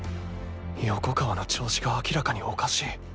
横川の調子が明らかにおかしい。